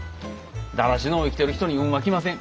だらしのう生きてる人に運は来ません。